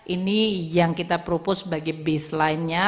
ini yang kita propose sebagai baseline nya